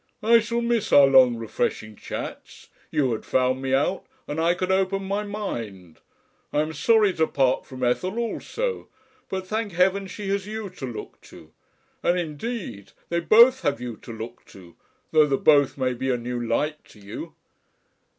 I shall miss our long refreshing chats you had found me out and I could open my mind. I am sorry to part from Ethel also, but thank Heaven she has you to look to! And indeed they both have you to look to, though the 'both' may be a new light to you."